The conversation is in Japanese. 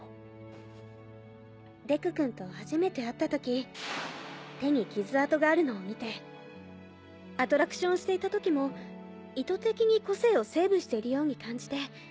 デク君と初めて会った時手に傷痕があるのを見てアトラクションをしていた時も意図的に個性をセーブしているように感じて。